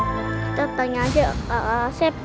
kita tanya aja kak asep